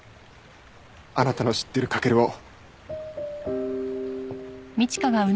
あなたの知っている駆を。